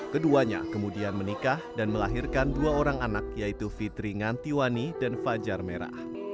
keduanya kemudian menikah dan melahirkan dua orang anak yaitu fitri ngantiwani dan fajar merah